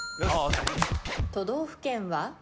都道府県は？